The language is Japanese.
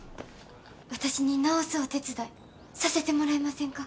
私に直すお手伝いさせてもらえませんか。